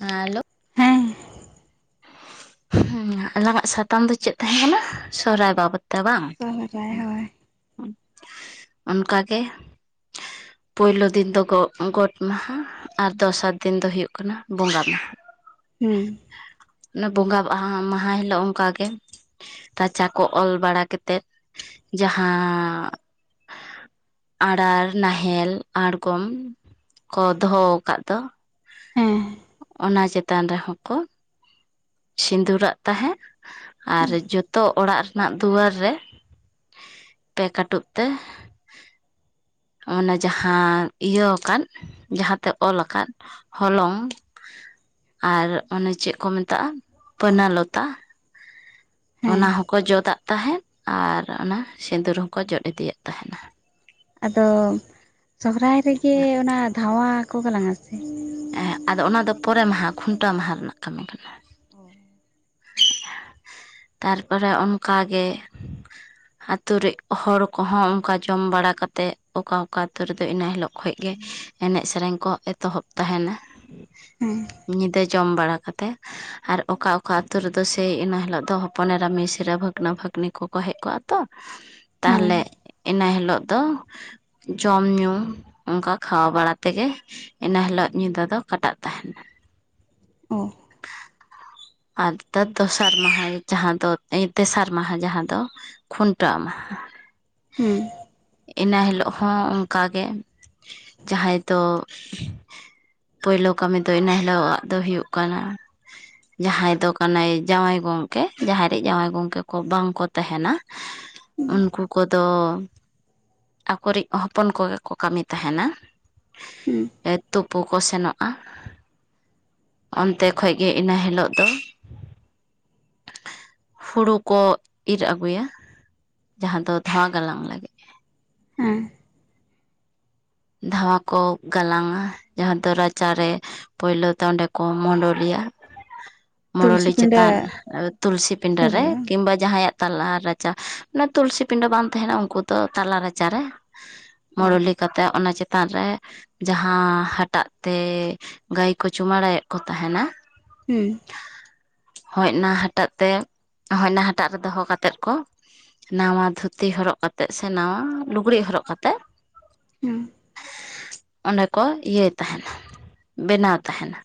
ᱦᱮᱸ ᱦᱮᱞᱳ᱾ ᱦᱮᱸ ᱦᱩᱸ ᱟᱞᱟᱝᱟᱜ ᱥᱟᱛᱟᱢ ᱫᱚ ᱪᱮᱫ ᱛᱟᱦᱮᱸ ᱠᱟᱱᱟ ᱥᱚᱦᱨᱟᱭ ᱵᱟᱵᱚᱛ᱾ ᱛᱟ ᱵᱟᱝ ᱥᱚᱦᱨᱟᱭ ᱦᱳᱭ ᱚ ᱚᱱᱠᱟᱜᱮ᱾ ᱯᱳᱭᱞᱳ ᱫᱤᱱ ᱫᱚ ᱜᱚ ᱜᱚᱴ ᱢᱟᱦᱟ᱾ ᱟᱨ ᱫᱚᱥᱟᱨ ᱫᱤᱱ ᱫᱚ ᱦᱩᱭᱩᱜ ᱠᱟᱱᱟ ᱵᱚᱸᱜᱟ ᱢᱟᱦᱟ᱾ ᱦᱩᱸ᱾ ᱚᱱᱮ ᱵᱚᱸᱜᱟ ᱵᱟᱦᱟ ᱢᱟᱦᱟ ᱦᱤᱞᱳᱜ ᱚᱱᱠᱟ ᱜᱮ᱾ ᱨᱟᱪᱟ ᱠᱚ ᱚᱞ ᱵᱟᱲᱟ ᱠᱟᱛᱮᱜ ᱡᱟᱦᱟᱸ ᱟᱬᱟᱨ, ᱱᱟᱦᱮᱞ, ᱟᱬᱜᱚᱢ᱾ ᱠᱚ ᱫᱚᱦᱚᱣ ᱠᱟᱫ ᱫᱚ ᱦᱮᱸ ᱚᱱᱟ ᱪᱮᱛᱟᱱ ᱨᱮᱦᱚᱸ ᱠᱚ ᱥᱤᱸᱫᱩᱨᱟᱫ ᱛᱟᱦᱮᱫ ᱟᱨ ᱡᱚᱛᱚ ᱚᱲᱟᱜ ᱨᱮᱱᱟᱜ ᱫᱩᱣᱟᱹᱨ ᱨᱮ ᱯᱮ ᱠᱟᱴᱩᱵ ᱛᱮ ᱢᱟᱱᱮ ᱡᱟᱦᱟᱸ ᱤᱭᱟᱹᱣ ᱟᱠᱟᱫ ᱡᱟᱦᱟᱸᱛᱮ ᱚᱞ ᱟᱠᱟᱫ ᱦᱚᱞᱚᱝ ᱟᱨ ᱚᱱᱮ ᱪᱮᱫ ᱠᱚ ᱢᱮᱛᱟᱜᱼᱟ ᱯᱟᱹᱱᱟ ᱞᱚᱛᱟ᱾ ᱦᱮᱸ ᱚᱱᱟ ᱦᱚᱸᱠᱚ ᱡᱚᱫᱟᱜ ᱛᱟᱦᱮᱸᱫ ᱟᱨ ᱚᱱᱟ ᱥᱤᱸᱫᱩᱨ ᱦᱚᱠᱚ ᱡᱚᱫ ᱤᱫᱤᱭᱮᱫ ᱛᱟᱦᱮᱱᱟ᱾ ᱟᱫᱚ ᱥᱚᱦᱚᱨᱟᱭ ᱨᱮᱜᱮ ᱚᱱᱟ ᱫᱷᱟᱶᱟ ᱠᱚ ᱜᱟᱞᱟᱝᱟ ᱥᱮ᱾ ᱮᱦᱮᱸᱜ ᱟᱫᱚ ᱚᱱᱟ ᱫᱚ ᱯᱚᱨᱮ ᱢᱟᱦᱟ ᱠᱷᱩᱱᱴᱟᱹᱣ ᱢᱟᱦᱟ ᱨᱮᱱᱟᱜ ᱠᱟᱹᱢᱤ ᱠᱟᱱᱟ᱾ ᱛᱟᱨᱯᱚᱨᱮ ᱚᱱᱠᱟᱜᱮ ᱟᱛᱩ ᱨᱮᱡ ᱦᱚᱲ ᱠᱚᱦᱚᱸ ᱚᱱᱠᱟ ᱡᱚᱢ ᱵᱟᱲᱟ ᱠᱟᱛᱮᱫ ᱚᱠᱟ ᱚᱠᱟ ᱟᱛᱩ ᱨᱮᱫᱚ ᱤᱱᱟᱹ ᱦᱤᱞᱳᱜ ᱠᱷᱚᱡ ᱜᱮ ᱮᱱᱮᱡ ᱥᱮᱨᱮᱧ ᱠᱚ ᱮᱛᱚᱦᱚᱵ ᱛᱟᱦᱮᱱᱟ᱾ ᱦᱮᱸ ᱧᱤᱫᱟᱹ ᱡᱚᱢ ᱵᱟᱲᱟ ᱠᱟᱛᱮᱜ ᱟᱨ ᱚᱠᱟ ᱚᱠ ᱚᱠᱟ ᱟᱹᱛᱩ ᱨᱮᱫᱚ ᱥᱮᱭ ᱤᱱᱟᱹ ᱦᱤᱞᱳᱜ ᱫᱚ ᱦᱚᱯᱚᱱ ᱮᱨᱟ, ᱢᱤᱥᱨᱟ ᱵᱷᱟᱹᱜᱽᱱᱟᱹ, ᱵᱷᱟᱹᱜᱽᱱᱤ ᱠᱚᱠᱚ ᱦᱮᱡ ᱠᱚᱜᱼᱟ ᱛᱚ᱾ ᱦᱳᱭ ᱛᱟᱦᱚᱞᱮ ᱤᱱᱟᱹ ᱦᱤᱞᱳᱜ ᱫᱚ ᱡᱚᱢ ᱧᱩ ᱚᱱᱠᱟ ᱠᱷᱟᱣᱟ ᱵᱟᱲᱟ ᱛᱮᱜᱮ ᱤᱱᱟᱹ ᱦᱤᱞᱳᱜ ᱧᱤᱫᱟᱹ ᱫᱚ ᱠᱟᱴᱟᱜ ᱛᱟᱦᱮᱱᱟ᱾ ᱚ᱾ ᱟᱨ ᱫᱚ ᱫᱟᱥᱟᱨ ᱢᱟᱦᱟ ᱡᱟᱦᱟ ᱫᱚ ᱮᱭ ᱮᱛᱥᱟᱨ ᱢᱟᱦᱟ ᱡᱟᱦᱟᱸ ᱫᱚ᱾ ᱠᱷᱩᱱᱴᱟᱣ ᱢᱟᱦᱟ᱾ ᱦᱩᱸ᱾ ᱤᱱᱟᱹ ᱦᱤᱞᱳᱜ ᱦᱚᱸ ᱚᱱᱠᱟᱜᱮ ᱡᱟᱦᱟᱸᱭ ᱫᱚ ᱯᱚᱭᱞᱳ ᱠᱟᱹᱢᱤ ᱫᱚ ᱤᱱᱟᱹ ᱦᱤᱞᱳᱜ-ᱟᱜ ᱫᱚ ᱦᱩᱭᱩᱜ ᱠᱟᱱᱟ ᱡᱟᱦᱟᱸᱭ ᱫᱚ ᱠᱟᱱᱟᱭ ᱡᱟᱶᱟᱭ ᱜᱚᱝᱠᱮ᱾ ᱡᱟᱦᱟᱸᱭᱨᱮ ᱡᱟᱶᱟᱭ ᱜᱚᱝᱠᱮ ᱠᱚ ᱵᱟᱝ ᱠᱚ ᱛᱟᱦᱮᱱᱟ᱾ ᱦᱩᱸ ᱩᱱᱠᱩ ᱠᱚᱫᱚ ᱟᱠᱚᱨᱤᱡ ᱦᱚᱯᱚᱱ ᱠᱚᱜᱮ ᱠᱚ ᱠᱟᱹᱢᱤ ᱛᱟᱦᱮᱱᱟ᱾ ᱮᱭ ᱛᱩᱯ ᱯᱩ ᱠᱚ ᱥᱮᱱᱚᱜᱼᱟ᱾ ᱚᱱᱛᱮ ᱠᱷᱡᱜᱮ ᱤᱱᱟᱹ ᱦᱤᱞᱳᱜ ᱫᱚ ᱦᱳᱲᱩ ᱠᱚ ᱤᱨ ᱟᱜᱩᱭᱟ, ᱡᱟᱦᱟᱸ ᱫᱚ ᱫᱷᱟᱣᱟ ᱜᱟᱞᱟᱝ ᱞᱟᱹᱜᱤᱫ᱾ ᱦᱮᱸ ᱫᱷᱟᱣᱟ ᱠᱚ ᱜᱟᱞᱟᱝ-ᱟ ᱡᱟᱦᱟᱸ ᱫᱚ ᱨᱟᱪᱟᱨᱮ ᱯᱳᱭᱞᱳ ᱛᱮ ᱚᱸᱰᱮ ᱠᱚ ᱢᱳᱰᱳᱞᱤᱭ-ᱟ᱾ ᱛᱩᱞᱥᱤ ᱢᱚᱲᱚᱞᱤ ᱯᱤᱸᱰᱟᱹ ᱪᱮᱛᱟᱱ ᱛᱩᱞᱥᱤ ᱯᱤᱰᱟᱹ ᱥᱩᱨ ᱨᱮ ᱵᱟᱝ ᱠᱤᱢᱵᱟ ᱡᱟᱦᱟᱸᱭᱟᱜ ᱛᱟᱞᱟ ᱨᱟᱪᱟ ᱢᱟᱱᱮ ᱛᱩᱞᱥᱤ ᱯᱤᱰᱟᱹ ᱵᱟᱝ ᱛᱟᱦᱮᱱᱟ ᱩᱝᱠᱩ ᱫᱚ ᱛᱟᱞᱟ ᱨᱟᱪᱟᱨᱮ ᱚ ᱢᱚᱲᱚᱞᱤ ᱠᱟᱛᱮᱜ ᱚᱱᱟ ᱪᱮᱛᱟᱱ ᱨᱮ ᱡᱟᱦᱟᱸ ᱦᱟᱴᱟᱜ ᱛᱮ ᱜᱟᱹᱭ ᱠᱚ ᱪᱩᱢᱟᱲᱟᱭᱮᱫ ᱠᱚ ᱛᱟᱦᱮᱱ-ᱟ ᱦᱩᱸ ᱦᱚᱭᱱᱟ ᱦᱟᱴᱟᱜ ᱛᱮ ᱦᱚᱭᱱᱟ ᱦᱟᱴᱟᱜ ᱨᱮ ᱫᱚᱦᱚ ᱠᱟᱛᱮᱫ ᱠᱚ ᱱᱟᱣᱟ ᱫᱷᱩᱛᱤ ᱦᱚᱨᱚᱜ ᱠᱟᱛᱮ ᱥᱮ ᱱᱟᱣᱟ ᱞᱩᱜᱽᱲᱤᱡ ᱦᱚᱨᱚᱜ ᱠᱟᱛᱮᱫ ᱦᱩᱸ ᱚᱸᱰᱮ ᱠᱚ ᱤᱭᱟᱹᱭ ᱛᱟᱦᱮᱱ-ᱟ ᱵᱮᱱᱟᱣ ᱛᱟᱦᱮᱱ-ᱟ᱾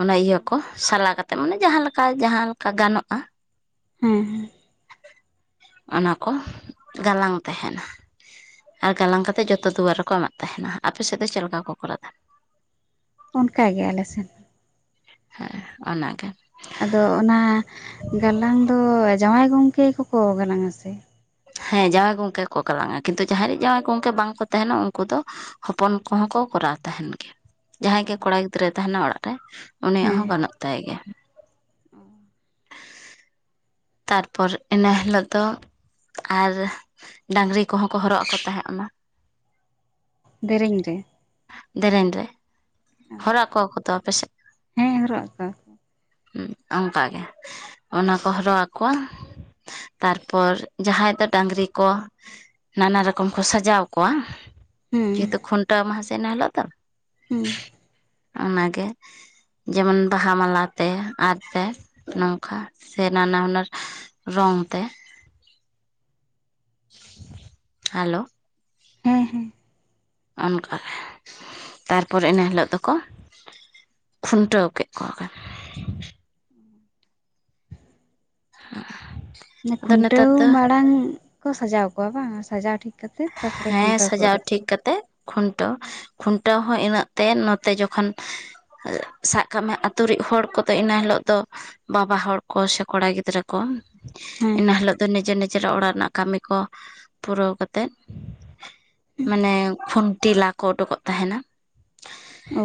ᱚᱱᱟ ᱤᱭᱟᱹ ᱠᱚ ᱥᱟᱞᱟ ᱠᱟᱛᱮ ᱢᱟᱱᱮ ᱡᱟᱦᱟᱸᱞᱮᱠᱟ ᱡᱟᱦᱟᱸᱞᱮᱠᱟ ᱜᱟᱱᱚᱜ-ᱟ᱾ ᱦᱮᱸ ᱦᱮᱸ ᱚᱱᱟ ᱠᱚ ᱜᱟᱞᱟᱝ ᱛᱟᱦᱮᱱ-ᱟ᱾ ᱟᱨ ᱜᱟᱞᱟᱝ ᱠᱟᱛᱮ ᱡᱚᱛᱚ ᱫᱩᱣᱟᱹᱨ ᱨᱮᱠᱚ ᱮᱢᱟᱜ ᱛᱟᱦᱮᱱ-ᱟ, ᱟᱯᱮ ᱥᱮᱫ ᱫᱚ ᱪᱮᱫᱞᱮᱠᱟ ᱠᱚ ᱠᱚᱨᱟᱣ ᱛᱟᱦᱮᱱ? ᱚᱱᱠᱟ ᱜᱮ ᱟᱞᱮ ᱥᱮᱱ᱾ ᱦᱮᱸ ᱚᱱᱟ ᱜᱮ᱾ ᱟᱫᱚ ᱚᱱᱟ ᱜᱟᱞᱟᱝ ᱫᱚ ᱡᱟᱶᱟᱭ ᱜᱚᱝᱠᱮ ᱠᱚᱠᱚ ᱜᱟᱞᱟᱝ-ᱟ ᱥᱮ? ᱦᱮᱸ ᱡᱟᱶᱟᱭ ᱜᱚᱝᱠᱮ ᱠᱚ ᱜᱟᱞᱟᱝ-ᱟ, ᱠᱤᱱᱛᱩ ᱡᱟᱦᱟᱸᱭ ᱨᱮᱱ ᱡᱟᱶᱟᱭ ᱜᱚᱝᱠᱮ ᱵᱟᱝ ᱠᱚ ᱛᱟᱦᱮᱱ-ᱟ ᱩᱝᱠᱩ ᱫᱚ ᱦᱚᱯᱚᱱ ᱠᱚᱦᱚᱸ ᱠᱚ ᱠᱚᱨᱟᱣ ᱛᱟᱦᱮᱱ ᱜᱮᱭᱟ᱾ ᱡᱟᱦᱟᱸᱭ ᱜᱮ ᱠᱚᱲᱟ ᱜᱤᱫᱽᱨᱟᱹᱭ ᱛᱟᱦᱮᱱ-ᱟ ᱚᱲᱟᱜ ᱨᱮ ᱩᱱᱤᱭᱟᱜ ᱦᱮᱸ ᱦᱚᱸ ᱜᱟᱹᱱᱚᱜ ᱛᱟᱭ ᱜᱮᱭᱟ᱾ ᱛᱟᱨᱯᱚᱨ ᱤᱱᱟᱹ ᱦᱤᱞᱳᱜ ᱫᱚ ᱟᱨ ᱰᱟᱝᱨᱤ ᱠᱚᱦᱚᱸ ᱠᱚ ᱦᱚᱨᱚᱜ ᱟᱠᱚ ᱛᱟᱦᱮᱸᱫ ᱚᱱᱟ᱾ ᱫᱮᱨᱮᱧ ᱨᱮ᱾ ᱫᱮᱨᱮᱧ ᱨᱮ ᱦᱚᱨᱟᱜ ᱟᱠᱚᱣᱟᱠᱚ ᱛᱚ ᱟᱯᱮ ᱥᱮᱫ? ᱦᱮᱸ ᱦᱚᱨᱚᱜ ᱟᱠᱚᱣᱟ᱾ ᱦᱩᱸ ᱚᱝᱠᱟᱜᱮ ᱚᱱᱟ ᱠᱚ ᱦᱚᱨᱚᱜ ᱟᱠᱚᱣ-ᱟ ᱛᱟᱨᱯᱚᱨ ᱡᱟᱦᱟᱸᱭ ᱫᱚ ᱰᱟᱝᱨᱤ ᱠᱚ ᱱᱟᱱᱟ ᱨᱚᱠᱚᱢ ᱠᱚ ᱥᱟᱡᱟᱣ ᱠᱚᱣᱟ ᱦᱩᱸ ᱡᱮᱦᱮᱛᱩ ᱠᱷᱩᱱᱴᱟᱹᱣ ᱢᱟᱦᱟ ᱥᱮ ᱤᱱᱟᱹ ᱦᱤᱞᱳᱜ ᱫᱚ ᱾ ᱦᱩᱸ ᱚᱱᱟ ᱜᱮ᱾ ᱡᱮᱢᱚᱱ ᱵᱟᱦᱟ ᱢᱟᱞᱟ ᱛᱮ ᱟᱨᱛᱮ ᱱᱚᱝᱠᱟ ᱥᱮ ᱱᱟᱱᱟ ᱦᱩᱱᱟᱹᱨ ᱨᱚᱝ ᱛᱮ ᱦᱮᱞᱳ ᱦᱮᱸ ᱦᱮᱸ ᱚᱱᱠᱟᱜᱮ ᱛᱟᱨᱯᱚᱨᱮ ᱤᱱᱟᱹ ᱦᱤᱞᱳᱜ ᱫᱚᱠᱚ ᱠᱷᱩᱱᱴᱟᱹᱣ ᱠᱮᱫ ᱠᱚᱣᱟᱠᱚ᱾ [inaudible] ᱢᱟᱱᱮ ᱱᱮᱛᱟᱨ ᱠᱷᱩᱱᱴᱟᱹᱣ ᱫᱚ ᱢᱟᱲᱟᱝ ᱠᱚ ᱥᱟᱡᱟᱣ ᱠᱚᱣᱟ, ᱵᱟᱝ ᱥᱟᱡᱟᱣ ᱴᱷᱤᱠ ᱠᱟᱛᱮᱫ ᱛᱟᱯᱚᱨᱮ ᱦᱮᱸ ᱠᱷᱩᱱᱴᱟᱣ ᱠᱚ ᱥᱟᱡᱟᱣ ᱩᱰᱩᱠ ᱴᱷᱤᱠ ᱠᱚᱣᱟ᱾ ᱠᱟᱛᱮᱜ ᱠᱷᱩᱱᱴᱟᱹᱣ ᱠᱷᱩᱱᱴᱟᱹᱣ ᱦᱚᱸ ᱤᱱᱟᱹᱜ ᱛᱮ ᱱᱚᱛᱮ ᱡᱚᱠᱷᱚᱱ ᱥᱟᱵ ᱠᱟᱜ ᱢᱮ ᱟᱛᱳᱤᱡ ᱦᱚᱲ ᱠᱚᱫᱚ ᱤᱱᱟᱹ ᱦᱤᱞᱳᱜ ᱫᱚ ᱵᱟᱵᱟ ᱦᱚᱲ ᱠᱚ ᱥᱮ ᱠᱚᱲᱟ ᱜᱤᱫᱽᱨᱟᱹ ᱠᱚ ᱦᱮᱸ ᱤᱱᱟᱹ ᱦᱤᱞᱳᱜ ᱫᱚ ᱱᱤᱡᱮᱨ ᱱᱤᱡᱮᱨᱟᱜ ᱚᱲᱟᱜ ᱨᱮᱱᱟᱜ ᱠᱟᱹᱢᱤ ᱠᱚ ᱯᱩᱨᱟᱹᱣ ᱠᱟᱛᱮᱫ ᱢᱟᱱᱮ ᱠᱷᱩᱱᱴᱤ ᱞᱟᱠ ᱠᱚ ᱩᱰᱩᱠᱚᱜ ᱛᱟᱦᱮᱱ-ᱟ᱾ ᱚ ᱾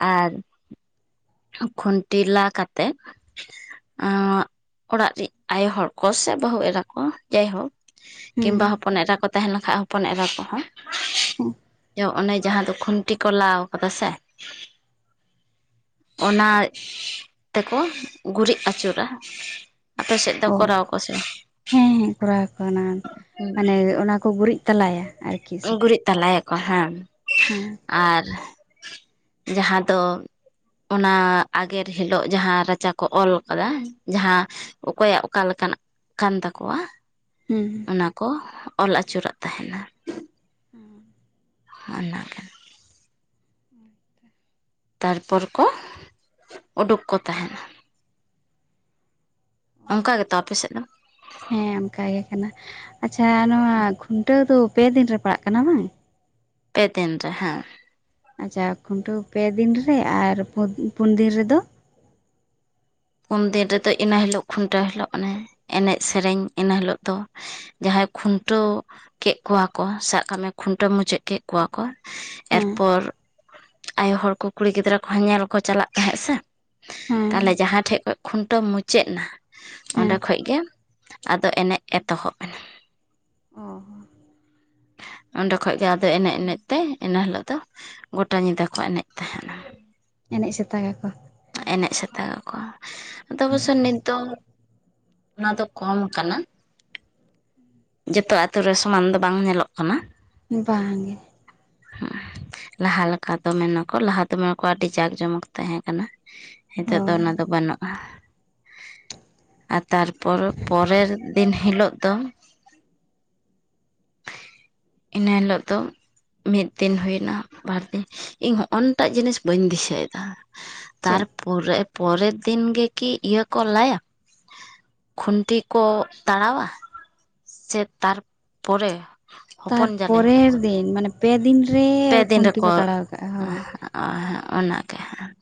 ᱟᱨ ᱯ-ᱪᱟ, ᱠᱷᱩᱱᱴᱤ ᱞᱟ ᱠᱟᱛᱮ ᱚᱸᱜ, ᱚᱲᱟᱜ ᱨᱮᱱ ᱟᱭᱳ ᱦᱚᱲ ᱠᱚ ᱥᱮ ᱵᱟᱹᱦᱩ ᱮᱨᱟ ᱠᱚ ᱡᱟᱭᱦᱳᱠ ᱦᱮᱸ ᱠᱤᱢᱵᱟ ᱦᱚᱯᱚᱱ ᱮᱨᱟ ᱠᱚ ᱛᱟᱦᱮᱸ ᱞᱮᱱᱠᱷᱟ ᱦᱚᱯᱚᱱ ᱮᱨᱟ ᱠᱚᱦᱚᱸ ᱚᱱᱮ ᱡᱟᱦᱟᱸ ᱫᱚ ᱠᱷᱩᱱᱴᱤ ᱠᱚ ᱞᱟᱣ ᱠᱟᱫᱟ ᱥᱮ ᱚᱱᱟ ᱛᱮᱠᱚ ᱜᱩᱨᱤᱡ ᱟᱪᱩᱨᱟ ᱾ ᱚᱦ, ᱦᱮᱸ ᱦᱮᱸ ᱠᱚᱨᱟᱣ ᱟᱠᱚ ᱚᱱᱟ, ᱢᱟᱱᱮ ᱵᱟᱝ ᱚᱱᱟ ᱠᱚ ᱜᱩᱨᱤᱡ ᱛᱟᱞᱟᱭᱟ, ᱟᱨᱠᱤ ᱥᱚᱵ ᱜᱩᱨᱤᱡ ᱛᱟᱞᱟᱭᱟᱠᱚ ᱦᱮᱸ, ᱟᱨ ᱡᱟᱦᱟᱸ ᱫᱚ ᱚᱱᱟ ᱟᱜᱮᱨ ᱦᱤᱞᱳᱜ ᱡᱟᱦᱟᱸ ᱨᱟᱪᱟ ᱠᱚ ᱚᱞ ᱠᱟᱫᱟ ᱡᱟᱦᱟᱸ ᱚᱠᱚᱭᱟᱜ ᱚᱠᱟ ᱞᱮᱠᱟᱱᱟᱜ ᱠᱟᱱ ᱛᱟᱠᱚᱣᱟ? ᱦᱩᱸ -ᱼ ᱚᱱᱟ ᱠᱚ ᱚᱞ ᱟᱹᱪᱩᱨᱟᱜ ᱛᱟᱦᱮᱱᱟ ᱾ ᱦᱩᱸ ᱾ ᱚᱱᱟ ᱚᱱᱟᱜ ᱛᱟᱨᱯᱚᱨ ᱠᱚ ᱳᱰᱩᱠ ᱠᱚ ᱛᱟᱦᱮᱱᱟ ᱾ ᱚᱱᱠᱟ ᱜᱮᱛᱚ ᱟᱯᱮ ᱥᱮᱫ ᱫᱚ? ᱦᱮᱸ ᱚᱱᱠᱟ ᱜᱮ ᱠᱟᱱᱟ, ᱥᱟ ᱟᱪ-ᱪᱷᱟ ᱱᱚᱣᱟ ᱠᱷᱩᱱᱴᱟᱹᱣ ᱫᱚ ᱯᱮ ᱫᱤᱱ ᱨᱮ ᱯᱟᱲᱟᱜ ᱠᱟᱱᱟ ᱵᱟᱝ? ᱯᱮ ᱫᱤᱱ ᱨᱮ ᱦᱮᱸ ᱾ ᱟᱪ-ᱪᱷᱟ ᱠᱷᱩᱱᱴᱟᱹᱣ ᱯᱮ ᱫᱤᱱ ᱨᱮ ᱟᱨ ᱯᱩᱱ ᱯᱩᱱ ᱫᱤᱱ ᱨᱮᱫᱚ? ᱯᱩᱱ ᱫᱤᱱ ᱨᱮᱫᱚ ᱤᱱᱟᱹ ᱦᱤᱞᱳᱜ ᱠᱷᱩᱱᱴᱟᱹᱣ ᱦᱤᱞᱳᱜ ᱚᱱᱮ ᱮᱱᱮᱡ ᱥᱮᱹᱨᱮᱹᱧ ᱤᱱᱟᱹ ᱦᱤᱞᱳᱜ ᱫᱚ ᱾ ᱥᱮᱜ, ᱡᱟᱦᱟᱸᱭ ᱠᱷᱩᱱᱴᱟᱹᱣ ᱠᱮᱜ ᱠᱚᱣᱟ ᱠᱚ ᱥᱟᱵ ᱠᱟᱜ ᱢᱮ ᱠᱷᱩᱱᱴᱟᱹᱣ ᱢᱩᱪᱟᱹᱫ ᱠᱮᱜ ᱠᱚᱣᱟ ᱠᱚ, ᱥᱩᱜ ᱾ ᱦᱮᱸ ᱮᱨᱯᱚᱨ ᱯ-ᱪᱟᱜ, ᱟᱭᱳ ᱦᱚᱲ ᱠᱚ ᱠᱩᱲᱤ ᱜᱤᱫᱽᱨᱟᱹ ᱠᱚᱦᱚᱸ ᱧᱮᱞ ᱠᱚ ᱪᱟᱞᱟᱜ ᱛᱟᱦᱮᱸᱜ ᱥᱮ ᱯ-ᱥᱟᱸ, ᱦᱮᱸ ᱛᱟᱦᱞᱮ ᱡᱟᱦᱟᱸ ᱴᱷᱮᱡ ᱠᱷᱚᱡ ᱠᱷᱩᱱᱴᱟᱹᱣ ᱢᱩᱪᱟᱹᱫ ᱮᱱᱟ ᱯ-ᱪᱟᱜ ᱥᱟᱸ, ᱦᱮᱸ ᱚᱸᱰᱮ ᱠᱷᱚᱡ ᱜᱮ ᱟᱫᱚ ᱮᱱᱮᱡ ᱮᱛᱚᱦᱚᱵ ᱮᱱᱟ ᱯᱷᱟᱸᱠᱟ ᱜᱮᱭᱟ ᱚ ᱾ ᱥᱟᱸᱜ, ᱚᱸᱰᱮ ᱠᱷᱚᱡ ᱜᱮ ᱟᱫᱚ ᱮᱱᱮᱡ ᱮᱱᱮᱡ ᱛᱮ ᱤᱱᱟᱹ ᱦᱤᱞᱳᱜ ᱫᱚ ᱥᱟᱸᱜ ᱜᱚᱴᱟ ᱧᱤᱫᱟᱹ ᱠᱚ ᱮᱱᱮᱡ ᱛᱟᱦᱮᱱᱟ ᱾ ᱮᱱᱮᱡ ᱥᱮᱛᱟᱜ ᱟᱠᱚ ᱾ ᱮᱱᱮᱡ ᱥᱮᱛᱟᱜ ᱟᱠᱚ, ᱟᱫᱚ ᱵᱚᱪᱚᱝ ᱱᱤᱛ ᱫᱚ ᱱᱚᱣᱟ ᱫᱚ ᱠᱚᱢ ᱠᱟᱱᱟ ᱯ-ᱪᱟᱜ ᱡᱚᱛᱚ ᱟᱛᱳ ᱨᱮ ᱥᱚᱢᱟᱱ ᱫᱚ ᱵᱟᱝ ᱧᱮᱞᱚᱜ ᱠᱟᱱᱟ ᱵᱟᱝ ᱜᱮ ᱾ ᱦᱩᱸ, ᱞᱟᱦᱟ ᱞᱮᱠᱟ ᱫᱚ ᱢᱮᱱᱟᱠᱚ ᱞᱟᱦᱟ ᱫᱚᱢᱮ ᱠᱚ ᱟᱰᱤ ᱡᱟᱠ ᱡᱚᱢᱚᱠ ᱛᱟᱦᱮᱸ ᱠᱟᱱᱟ ᱥᱩᱜ, ᱚ ᱱᱤᱛᱚᱜ ᱫᱚ ᱚᱱᱟ ᱫᱚ ᱵᱟᱱᱩᱜ-ᱟ ᱾ ᱥᱩᱜ, ᱟᱨ ᱛᱟᱨᱯᱚᱨ ᱯᱚᱨᱮᱨ ᱫᱤᱱ ᱦᱤᱞᱳᱜ ᱫᱚ ᱤᱱᱟᱹ ᱦᱤᱞᱳᱜ ᱫᱚ ᱢᱤᱫ ᱫᱤᱱ ᱦᱩᱭ ᱱᱟ ᱵᱟᱨ ᱫᱤᱱ ᱥ-ᱩ-ᱜ ᱤᱧ ᱦᱚᱜ-ᱚᱱ ᱴᱟᱜ ᱡᱤᱱᱤᱥ ᱵᱟᱹᱧ ᱫᱤᱥᱟᱹᱭᱮᱫᱟ ᱥ-ᱟ-ᱜ? ᱪᱮ ᱛᱟᱨᱯᱚᱨᱮ ᱯᱚᱨᱮᱛ ᱫᱤᱱ ᱜᱮᱠᱤ ᱤᱭᱟᱹ ᱠᱚ ᱞᱟᱭᱟ? ᱥ-ᱟ-ᱜ, ᱠᱷᱩᱱᱴᱤ ᱠᱚ ᱛᱟᱲᱟᱣᱟ ᱥᱮ ᱛᱟᱨᱯ ᱯᱚᱨᱮ? ᱛᱟᱨ ᱯᱚᱨᱮᱨ ᱫᱤᱱ ᱢᱟᱱᱮ ᱯᱮᱫᱤᱱ ᱨᱮ ᱠᱷᱩᱱᱴᱤ ᱠᱚ ᱛᱟᱲᱟᱣ ᱠᱟᱜ-ᱟ ᱦᱚᱭ ᱾ ᱦᱚᱸᱜ-ᱚᱭ ᱚᱱᱟᱜᱮ ᱥᱟᱸ-ᱜ,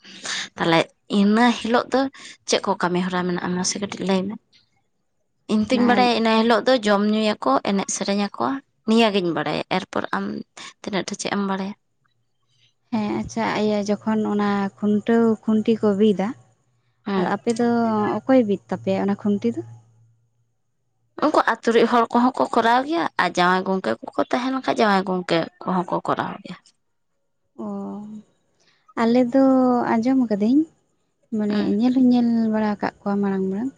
ᱛᱟᱞᱦᱮ ᱤᱱᱟᱹ ᱦᱤᱞᱳᱜ ᱫᱚ ᱪᱮᱜ ᱠᱚ ᱠᱟᱹᱢᱤ ᱦᱚᱨᱟ ᱢᱮᱱᱟᱜ-ᱟ ᱢᱟᱥᱮ ᱠᱟᱹᱴᱤᱡ ᱞᱟᱹᱭ ᱢᱮ? ᱤᱧ ᱛᱩᱧ ᱚᱱᱟ ᱵᱟᱰᱟᱭᱟ ᱤᱱᱟᱹ ᱦᱤᱞᱳᱜ ᱫᱚ ᱡᱚᱢ ᱧᱩᱭᱟᱠᱚ ᱮᱱᱮᱡ ᱥᱮᱹᱨᱮᱹᱧ ᱟᱠᱣᱟ ᱱᱤᱭᱟᱹ ᱜᱤᱧ ᱵᱟᱲᱟᱭᱟ ᱮᱨᱯᱚᱨ ᱟᱢ ᱛᱤᱱᱟᱹᱜ ᱴᱟᱜ ᱪᱮᱜ ᱮᱢ ᱵᱟᱲᱟᱭᱟ? ᱦᱮᱸ ᱟᱪᱪᱷᱟ ᱤᱭᱟᱹ ᱡᱚᱠᱷᱚᱱ ᱚᱱᱟ ᱠᱷᱩᱱᱴᱟᱹᱣ ᱠᱷᱩᱱᱴᱤ ᱠᱚ ᱵᱤᱫᱟ᱾ ᱟᱨ ᱦᱮᱸ ᱟᱯᱮ ᱫᱚ ᱚᱠᱚᱭ ᱵᱤᱫ ᱛᱟᱯᱮᱭᱟ ᱚᱱᱟ ᱠᱷᱩᱱᱴᱤ ᱫᱚ᱾ ᱩᱱᱠᱩ ᱟᱛᱩ ᱨᱤᱜ ᱦᱚᱲ ᱠᱚᱦᱚᱸ ᱠᱚ ᱠᱚᱨᱟᱣ ᱜᱮᱭᱟ ᱟᱨ ᱡᱟᱶᱟᱭ ᱜᱚᱝᱠᱮ ᱠᱚᱠᱚ ᱛᱟᱦᱮ ᱠᱷᱟᱡ ᱡᱟᱶᱟᱭ ᱜᱚᱝᱠᱮ ᱠᱚᱦᱚᱸ ᱠᱚ ᱠᱚᱨᱟᱣ ᱜᱮᱭᱟ᱾ ᱚᱻ ᱟᱞᱮ ᱫᱚ ᱟᱸᱡᱚᱢ ᱟᱠᱟᱹᱫᱟᱹᱧ᱾ ᱢᱟᱱᱮ ᱦᱮᱸ ᱧᱮᱞ ᱦᱚᱧ ᱧᱮᱞ ᱵᱟᱲᱟ ᱟᱠᱟᱫ ᱠᱚᱣᱟ ᱢᱟᱲᱟᱝ ᱢᱟᱲᱟᱝ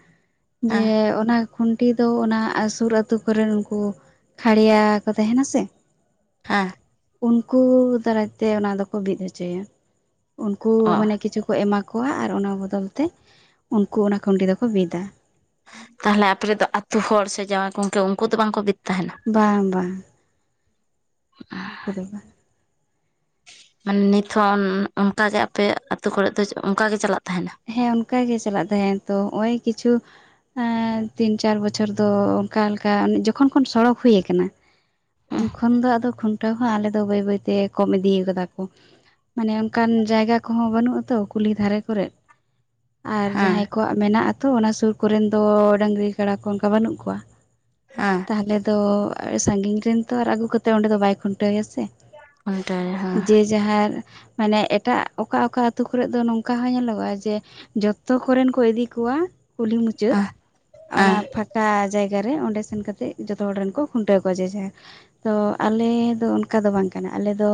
ᱡᱮ ᱦᱮᱸ ᱚᱱᱟ ᱠᱷᱩᱱᱴᱤ ᱫᱚ ᱚᱱᱟ ᱥᱩᱨ ᱟᱹᱛᱩ ᱠᱚᱨᱮᱱ ᱩᱱᱠᱩ ᱠᱷᱟᱲᱭᱟ ᱠᱚ ᱛᱟᱦᱮᱱᱟ ᱥᱮ᱾ ᱦᱮᱸ᱾ ᱩᱱᱠᱩ ᱫᱟᱨᱟᱭᱛᱮ ᱚᱱᱟ ᱫᱚᱠᱚ ᱵᱤᱫ ᱦᱚᱪᱚᱭᱟ ᱩᱱᱠᱩ ᱚ ᱢᱟᱱᱮ ᱠᱤᱪᱷᱩ ᱠᱚ ᱮᱢᱟ ᱠᱚᱣᱟ ᱟᱨ ᱚᱱᱟ ᱵᱚᱫᱚᱞ ᱛᱮ ᱩᱱᱠᱩ ᱚᱱᱟ ᱠᱷᱩᱱᱴᱤ ᱫᱚᱠᱚ ᱵᱤᱫᱼᱟ᱾ ᱛᱟᱦᱚᱞᱮ ᱟᱯᱮ ᱫᱚ ᱟᱛᱹᱩ ᱦᱚᱲ ᱥᱮ ᱡᱟᱶᱟᱭ ᱜᱚᱝᱠᱮ ᱩᱱᱠᱩ ᱫᱚ ᱵᱟᱝᱠᱚ ᱵᱤᱫ ᱛᱟᱦᱮᱱᱟ? ᱵᱟᱝ ᱵᱟᱝ᱾ ᱩᱱᱠᱩ ᱫᱚ ᱵᱟᱝ᱾ ᱢᱟᱱᱮ ᱱᱤᱛ ᱦᱚᱸᱚᱸ ᱚᱱᱠᱟᱜᱮ ᱟᱯᱮ ᱟᱹᱛᱳ ᱠᱚᱨᱮᱫ ᱫᱚ ᱚᱱᱠᱟ ᱜᱮ ᱪᱟᱞᱟᱜ ᱛᱟᱦᱮᱱᱟ? ᱦᱮᱸ ᱚᱱᱠᱟ ᱜᱮ ᱪᱟᱞᱟᱜ ᱛᱟᱦᱮᱸᱱ ᱛᱚ ᱱᱚᱜ ᱚᱭ ᱠᱤᱪᱷᱩ ᱛᱤᱱ ᱪᱟᱨ ᱵᱚᱪᱷᱚᱨ ᱫᱚ ᱚᱱᱠᱟ ᱞᱮᱠᱟ ᱡᱚᱠᱷᱚᱱ ᱠᱷᱚᱱ ᱥᱚᱲᱚᱠ ᱦᱩᱭ ᱠᱟᱱᱟ᱾ ᱩᱱ ᱠᱷᱚᱱ ᱫᱚ ᱟᱫᱚ ᱠᱷᱩᱱᱴᱟᱹᱣ ᱦᱚᱸ ᱟᱞᱮ ᱫᱚ ᱵᱟᱹᱭ ᱵᱟᱹᱭᱛᱮ ᱠᱚᱢ ᱤᱫᱤ ᱠᱟᱫᱟ ᱠᱚ᱾ ᱢᱟᱱᱮ ᱚᱱᱠᱟᱱ ᱡᱟᱭᱜᱟ ᱠᱚᱦᱚᱸ ᱵᱟᱹᱱᱩᱜ ᱟᱛᱚ ᱠᱩᱞᱦᱤ ᱫᱷᱟᱨᱮ ᱠᱚᱨᱮ᱾ ᱟᱨ ᱦᱮᱸ ᱡᱟᱦᱟᱸᱭ ᱠᱚᱣᱟᱜ ᱢᱮᱱᱟᱜ ᱟ ᱛᱚ ᱚᱱᱟ ᱥᱩᱨ ᱠᱚᱨᱮᱱ ᱫᱚ ᱰᱟᱹᱝᱨᱤ ᱠᱟᱲᱟ ᱠᱚ ᱚᱱᱠᱟ ᱵᱟᱹᱱᱩᱜ ᱠᱚᱣᱟ᱾ ᱦᱮᱸ᱾ ᱛᱟᱦᱚᱞᱮ ᱫᱚ ᱥᱟᱺᱜᱤᱧ ᱨᱮᱱ ᱛᱚ ᱟᱨ ᱟᱹᱜᱩ ᱠᱟ ᱠᱟᱛᱮ ᱚᱸᱰᱮ ᱫᱚ ᱵᱟᱭ ᱠᱷᱩᱱᱴᱟᱹᱣᱭᱟ ᱥᱮ᱾ ᱚᱰᱮ ᱦᱮᱸ᱾ ᱡᱮ ᱡᱟᱦᱟᱨ ᱢᱟᱱᱮ ᱮᱴᱟᱜ ᱚᱠᱟ ᱚᱠᱟ ᱟᱛ. ᱳ ᱠᱚᱨᱮ ᱫᱚ ᱱᱚᱝᱠᱟ ᱦᱚᱸ ᱧᱮᱞᱚᱜᱚᱜᱼᱟ ᱡᱮ ᱡᱚᱛᱚ ᱠᱚᱨᱮᱱ ᱠᱚ ᱤᱫᱤ ᱠᱚᱣᱟ ᱠᱩᱞᱦᱤ ᱢᱩᱪᱟᱹᱫ ᱚᱱᱟ ᱦᱮᱸ ᱯᱷᱟᱸ ᱠᱟ ᱡᱟᱭᱜᱟ ᱨᱮ ᱚᱸᱰᱮ ᱥᱮᱱ ᱠᱟᱛᱮᱫ ᱡᱚᱛᱚ ᱦᱚᱲ ᱨᱮᱱ ᱠᱚ ᱠᱷᱩᱱᱴᱟᱹᱣ ᱠᱚᱣᱟ ᱡᱮ [unintelligible] ᱛᱚ ᱟᱞᱮ ᱫᱚ ᱚᱱᱠᱟ ᱫᱚ ᱵᱟᱝ ᱠᱟᱱᱟ ᱟᱞᱮ ᱫᱚ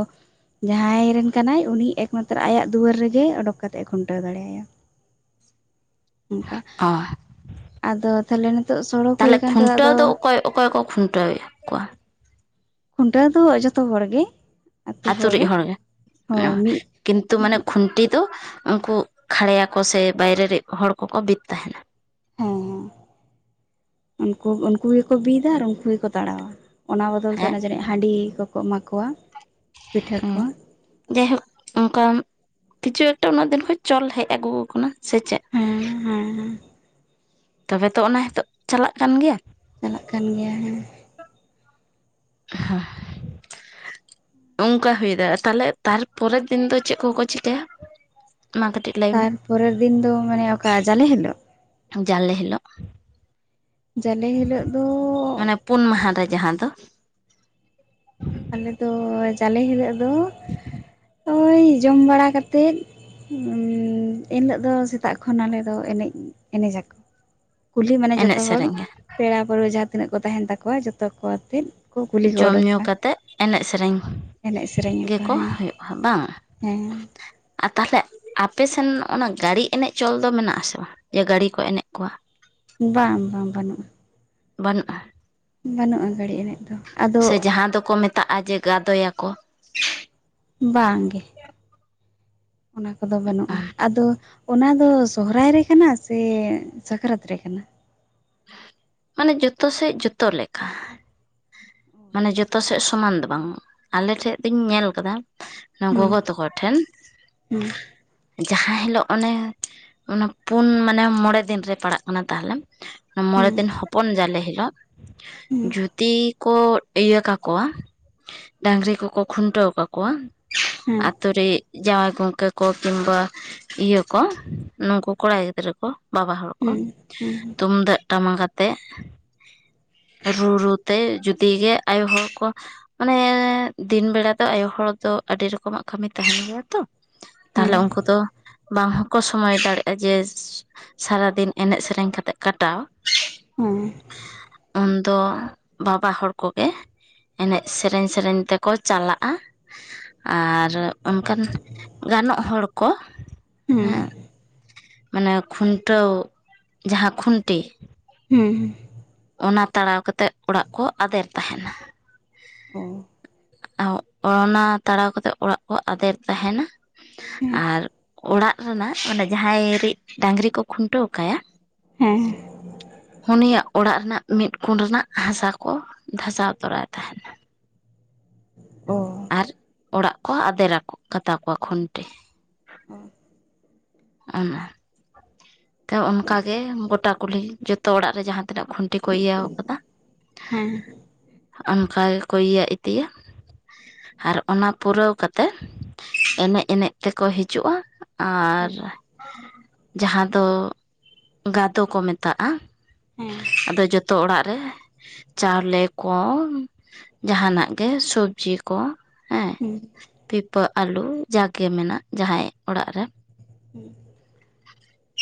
ᱡᱟᱦᱟᱸᱭ ᱨᱮᱱ ᱠᱟᱱᱟᱭ ᱩᱱᱤ ᱮᱠᱢᱟᱛᱨᱚ ᱟᱭᱟᱜ ᱫᱩᱣᱟᱹᱨ ᱨᱮᱜᱮ ᱚᱰᱚᱠ ᱠᱟᱛᱮ ᱮ ᱠᱷᱩᱱᱴᱟᱹᱣ ᱫᱟᱲᱮ ᱭᱟ᱾ ᱚᱱᱠᱟ᱾ ᱚ ᱟᱫᱚ ᱛᱟ ᱦᱚᱞᱮ ᱱᱤᱛᱚᱜ ᱥᱚᱲᱚᱠ ᱦᱳᱭ ᱛᱟᱦᱚᱞᱮ ᱠᱟᱱ ᱛᱮ ᱠᱷᱩᱱᱴᱟᱹᱣ ᱟᱫᱚ ᱫᱚ ᱚᱠᱚᱭ ᱚᱠᱚᱭ ᱠᱚ ᱠᱷᱩᱱᱴᱟᱹᱣᱮᱫ ᱠᱚᱣᱟ? ᱠᱷᱩᱱᱴᱟᱹᱣ ᱫᱚ ᱡᱚᱛᱚ ᱦᱚᱲ ᱜᱮ᱾ ᱟᱛᱸᱩ ᱨᱮᱡ ᱦᱚᱲ ᱜᱮ ᱦᱳᱭ ᱢᱤᱫ ᱠᱤᱱᱛᱩ ᱢᱟᱱᱮ ᱠᱷᱩᱱᱴᱤ ᱫᱚ ᱩᱱᱠᱩ ᱠᱷᱟᱲᱮᱭᱟ ᱠᱚ ᱥᱮ ᱵᱟᱭᱨᱮ ᱨᱮ ᱦᱚᱲ ᱠᱚᱠᱚ ᱵᱤᱫ ᱛᱟᱦᱮᱱᱟ᱾ ᱦᱩᱸ ᱦᱩᱸ ᱩᱱᱠᱩ ᱩᱱᱠᱩ ᱜᱮᱠᱚ ᱵᱤᱫᱟ ᱟᱨ ᱩᱱᱠᱩ ᱜᱮᱠᱚ ᱛᱟᱲᱟᱣᱟ᱾ ᱚᱱᱟ ᱵᱚᱫᱚᱞ ᱛᱮ ᱦᱮᱸ ᱚᱱᱟ ᱡᱟᱹᱱᱤᱡ ᱦᱟᱺᱰᱤ ᱠᱚᱠᱚ ᱮᱢᱟ ᱠᱚᱣᱟ᱾ ᱯᱤᱴᱷᱟᱹ ᱦᱮᱸ᱾ ᱠᱚ ᱡᱟᱭᱦᱳᱠ ᱚᱱᱠᱟ ᱠᱤᱪᱷᱩ ᱮᱠᱴᱟ ᱩᱱᱟᱹᱜ ᱫᱤᱱ ᱠᱷᱚᱱᱡ ᱪᱚᱞ ᱦᱮᱡ ᱟᱹᱜᱩ ᱟᱠᱟᱱᱟ ᱥᱮ ᱪᱮᱫ? ᱦᱮᱸ ᱦᱮᱸᱻ᱾ ᱛᱚᱵᱮ ᱛᱚ ᱚᱱᱟ ᱦᱤᱛᱚᱜ ᱪᱟᱞᱟᱜ ᱠᱟᱱ ᱜᱮᱭᱟ᱾ ᱪᱟᱞᱟᱜ ᱠᱟᱱ ᱜᱮᱭᱟ ᱦᱮᱸ᱾ [unintelligible] ᱚᱱᱠᱟ ᱦᱩᱭ ᱫᱟᱲᱮᱭᱟᱜ ᱛᱟᱦᱮ ᱛᱟᱨᱯᱚᱨᱮᱨ ᱫᱤᱱ ᱫᱚ ᱪᱮᱫ ᱠᱚᱠᱚ ᱪᱤᱠᱟᱹᱭᱟ? ᱢᱟ ᱠᱟᱴᱤᱡ ᱾ ᱛᱟᱨᱯᱚᱨᱮᱨ ᱫᱤᱱ ᱫᱚ ᱢᱟᱱᱮ ᱚᱠᱟ ᱡᱟᱞᱮ ᱦᱤᱞᱳᱜ᱾ ᱡᱟᱞᱮ ᱦᱤᱞᱳᱜ᱾ ᱡᱟᱞᱮ ᱦᱤᱞᱳᱜ ᱫᱚ᱾ ᱢᱟᱱᱮ ᱯᱩᱱ ᱢᱟᱦᱟ ᱨᱮ ᱡᱟᱦᱟ ᱫᱚ᱾ ᱟᱞᱮ ᱫᱚ ᱡᱟᱞᱮ ᱦᱤᱞᱳᱜ ᱫᱚ ᱳᱭ ᱡᱚᱢ ᱵᱟᱲᱟ ᱠᱟᱛᱮᱫ ᱮᱱᱦᱤᱞᱳᱜ ᱫᱚ ᱥᱮᱛᱟᱜ ᱠᱷᱚᱱ ᱟᱞᱮ ᱫᱚ ᱮᱱᱮᱡ ᱮᱱᱮᱡ ᱡᱟᱠᱚ᱾ ᱠᱩᱞᱦᱤ ᱢᱟᱱᱮ ᱮᱱᱮᱡ ᱡᱚᱛᱚ ᱦᱚᱲ ᱥᱮᱨᱮᱧ ᱯᱮᱲᱟ ᱯᱟᱹᱨᱦᱟᱹ ᱡᱟᱦᱟ ᱛᱤᱱᱟᱹᱜ ᱠᱚ ᱛᱟᱦᱮᱱ ᱛᱟᱠᱚᱣᱟ ᱡᱚᱛᱚ ᱠᱚ ᱟᱛᱮᱫ᱾ ᱠᱚ ᱠᱩᱞᱦᱤ ᱠᱚ ᱡᱚᱢ ᱧᱩ ᱚᱰᱳᱠᱚᱜᱼᱟ ᱠᱟᱛᱮᱫ ᱮᱱᱮᱡ ᱥᱮᱨᱮᱧ᱾ ᱮᱱᱮᱡ ᱥᱮᱨᱮᱧ ᱟᱠᱚ ᱜᱮᱠᱚ ᱦᱮᱸ ᱦᱳᱭᱳᱜᱼᱟ ᱵᱟᱝ ᱦᱮᱸ ᱟᱨ ᱛᱟᱦᱞᱮ ᱟᱯᱮ ᱥᱮᱱ ᱚᱱᱟ ᱜᱟᱹᱲᱤ ᱮᱱᱮᱡ ᱪᱚᱞ ᱫᱚ ᱢᱮᱱᱟᱜ-ᱟ ᱥᱮ ᱡᱮ ᱜᱟᱹᱲᱤ ᱠᱚ ᱮᱱᱮᱡ ᱠᱚᱣᱟ᱾ ᱵᱟᱝ ᱵᱟᱝ ᱵᱟᱹᱱᱩᱜ-ᱟ᱾ ᱵᱟᱹᱱᱩᱜ-ᱟ᱾ ᱵᱟᱹᱱᱩᱜ-ᱟ ᱜᱟᱹᱲᱤ ᱮᱱᱮᱡ ᱫᱚ᱾ ᱟᱫᱚ ᱥᱮ ᱡᱟᱦᱟ ᱫᱚᱠᱚ ᱢᱮᱛᱟᱜ-ᱟ ᱡᱮ ᱜᱟᱫᱚᱭᱟ ᱠᱚ᱾ ᱵᱟᱝ ᱜᱮ᱾ ᱚᱱᱟ ᱠᱚᱫᱚ ᱵᱟᱹᱱᱩᱜ-ᱟ ᱟᱫᱚ ᱚᱱᱟ ᱫᱚ ᱥᱚᱦᱚᱨᱟᱭ ᱨᱮ ᱠᱟᱱᱟ ᱥᱮ ᱥᱟᱠᱨᱟᱛ ᱨᱮ ᱠᱟᱱᱟ? ᱢᱟᱱᱮ ᱡᱚᱛᱚ ᱥᱮᱫ ᱡᱚᱛᱚ ᱞᱮᱠᱟ᱾ ᱢᱟᱱᱮ ᱡᱚᱛᱚ ᱥᱮᱫ ᱥᱚᱢᱟᱱ ᱫᱚ ᱵᱟᱝ ᱟᱞᱮ ᱴᱷᱮᱡ ᱫᱚᱸᱧ ᱧᱮᱞ ᱠᱟᱫᱟ᱾ ᱦᱩᱸ ᱜᱚᱜᱚ ᱛᱟᱠᱚ ᱴᱷᱮᱱ᱾ ᱦᱩᱸ᱾ ᱡᱟᱦᱟ ᱦᱤᱞᱳᱜ ᱚᱱᱮ ᱚᱱᱟ ᱯᱩᱱ ᱢᱟᱱᱮ ᱢᱚᱸᱬᱮ ᱫᱤᱱ ᱨᱮ ᱯᱟᱲᱟᱜ ᱠᱟᱱᱟ ᱛᱟᱦᱞᱮ᱾ ᱢᱚᱸᱬᱮ ᱦᱩᱸ ᱫᱤᱱ ᱦᱚᱯᱚᱱ ᱡᱟᱞᱮ ᱦᱤᱞᱳᱜ ᱦᱩᱸ ᱡᱩᱫᱤ ᱠᱚ ᱤᱭᱟᱹ ᱠᱟ ᱠᱚᱣᱟ ᱰᱟᱹᱝᱨᱤ ᱠᱚᱠᱚ ᱠᱷᱩᱱᱴᱟᱹᱣ ᱠᱟ ᱠᱚᱣᱟ᱾ ᱦᱮᱸ ᱟᱛᱳ ᱨᱮ ᱡᱟᱶᱟᱭ ᱜᱚᱝᱠᱮ ᱠᱚ ᱠᱤᱱᱵᱟ ᱤᱭᱟᱹ ᱠᱚ ᱱᱩᱠᱩ ᱠᱚᱲᱟ ᱜᱤᱫᱽᱨᱟᱹ ᱠᱚ᱾ ᱵᱟᱵᱟ ᱦᱚᱲ ᱠᱚ ᱦᱩᱸ ᱦᱩᱸ ᱛᱩᱢᱫᱟᱜ ᱴᱟᱢᱟᱠ ᱟᱛᱮ ᱨᱩ, ᱨᱩ ᱛᱮ ᱡᱩᱫᱤ ᱜᱮ ᱟᱭᱳ ᱦᱚᱲ ᱠᱚ ᱢᱟᱱᱮ ᱫᱤᱱ ᱵᱮᱲᱟ ᱫᱚ ᱟᱭᱳ ᱦᱚᱲ ᱫᱚ ᱟᱹᱰᱤ ᱨᱚᱠᱚᱢ ᱟᱜ ᱠᱟᱹᱢᱤ ᱛᱟᱦᱮᱱ ᱜᱮᱭᱟ ᱛᱚ᱾ ᱦᱮᱸ ᱛᱟᱦᱞᱮ ᱩᱱᱠᱩ ᱫᱚ᱾ ᱵᱟᱝ ᱦᱚᱸᱠᱚ ᱥᱚᱢᱚᱭ ᱫᱟᱲᱮᱭᱟᱜ-ᱟ ᱡᱮ ᱥᱟᱨᱟ ᱫᱤᱱ ᱮᱱᱮᱡ ᱥᱮᱨᱮᱧ ᱠᱟᱛᱮᱜ ᱠᱟᱴᱟᱣ᱾ ᱦᱩᱸ᱾ ᱩᱱᱫᱚ ᱵᱟᱵᱟ ᱦᱚᱲ ᱠᱚᱜᱮ ᱮᱱᱮᱡ ᱥᱮᱨᱮᱧ, ᱥᱮᱨᱮᱧ ᱛᱮᱠᱚ ᱪᱟᱞᱟᱜ-ᱟ ᱟᱨ ᱚᱱᱠᱟᱱ ᱜᱟᱱᱚᱜ ᱦᱚᱲ ᱠᱚ᱾ ᱦᱮᱸ ᱢᱟᱱᱮ ᱠᱷᱩᱱᱴᱟᱹᱣ ᱡᱟᱦᱟ ᱠᱷᱩᱱᱴᱤ᱾ ᱦᱩᱸ, ᱦᱩᱸ᱾ ᱚᱱᱟ ᱛᱟᱲᱟᱣ ᱠᱟᱛᱮᱫ ᱚᱲᱟᱜ ᱠᱚ ᱟᱫᱮᱨ ᱛᱟᱦᱮᱱᱟ᱾ ᱚ ᱚᱱᱟ ᱛᱟᱲᱟᱣ ᱠᱟᱛᱮᱫ ᱚᱲᱟᱜ ᱠᱚ ᱟᱫᱮᱨ ᱛᱟᱦᱮᱱᱟ᱾ ᱦᱮᱸ ᱟᱨ ᱚᱲᱟᱜ ᱨᱮᱱᱟᱜ ᱢᱟᱱᱮ ᱡᱟᱦᱟᱭ ᱨᱤᱡ ᱰᱟᱹᱝᱨᱤ ᱠᱚ ᱠᱷᱩᱱᱴᱟᱹᱣ ᱠᱟᱭ-ᱟ᱾ ᱦᱮᱸ᱾ ᱩᱱᱤᱭᱟᱜ ᱚᱲᱟᱜ ᱨᱮᱱᱟᱜ ᱢᱤᱫ ᱠᱩᱱ ᱨᱮᱱᱟᱜ ᱦᱟᱥᱟ ᱠᱚ ᱫᱷᱟᱥᱟᱣ ᱛᱚᱨᱟᱭ ᱛᱟᱦᱮᱱ᱾ ᱚ ᱟᱨ ᱚᱲᱟᱜ ᱠᱚ ᱟᱫᱮᱨᱟ ᱠᱟᱛᱟ ᱠᱚᱣᱟ ᱠᱷᱩᱱᱴᱤ᱾ ᱚᱱᱟ᱾ ᱛᱚ ᱚᱱᱠᱟ ᱜᱮ ᱜᱚᱴᱟ ᱠᱩᱞᱦᱤ ᱡᱚᱛᱚ ᱚᱲᱟᱜ ᱨᱮ ᱡᱟᱦᱟ ᱛᱤᱱᱟᱹᱜ ᱠᱷᱩᱱᱴᱤ ᱠᱚ ᱤᱭᱟᱹᱣ ᱠᱟᱫᱟ᱾ ᱦᱮᱸ ᱚᱱᱠᱟ ᱜᱮᱠᱚ ᱤᱭᱟᱹ ᱤᱫᱤᱭ-ᱟ᱾ ᱟᱨ ᱚᱱᱟ ᱯᱩᱨᱟᱹᱣ ᱠᱟᱛᱮ ᱮᱱᱮᱡ ᱮᱱᱮᱡ ᱛᱮᱠᱚ ᱦᱤᱡᱩᱜᱼᱟ, ᱟᱨ ᱦᱮᱸ ᱡᱟᱦᱟᱸ ᱛᱚ ᱜᱟᱫᱚ ᱠᱚ ᱢᱮᱛᱟᱜᱼᱟ ᱦᱮᱸ ᱟᱫᱚ ᱡᱚᱛᱚ ᱚᱲᱟᱜ ᱨᱮ, ᱪᱟᱣᱞᱮ ᱠᱚ ᱡᱟᱦᱟᱱᱟᱜ ᱜᱮ ᱥᱚᱵᱽᱡᱤ ᱠᱚ ᱦᱮᱸ, ᱦᱩᱸ, ᱯᱤᱯᱟᱹ ᱟᱞᱩ ᱡᱟᱜᱮ ᱢᱮᱱᱟᱜ ᱡᱟᱦᱟᱸᱭ ᱚᱲᱟᱜ ᱨᱮ᱾ ᱦᱩᱸ